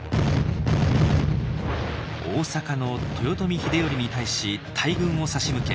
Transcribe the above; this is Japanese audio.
大坂の豊臣秀頼に対し大軍を差し向け